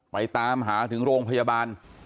ตามหาถึงโรงพยาบาล